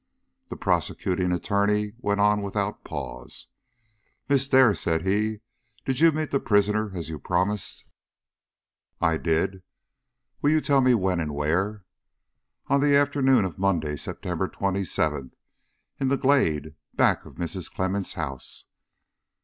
The Prosecuting Attorney went on without pause: "Miss Dare," said he, "did you meet the prisoner as you promised?" "I did." "Will you tell me when and where?" "On the afternoon of Monday, September 27th, in the glade back of Mrs. Clemmens' house."